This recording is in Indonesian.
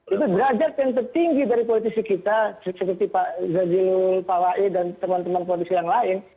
itu derajat yang tertinggi dari politisi kita seperti pak zazilul pawai ⁇ dan teman teman politisi yang lain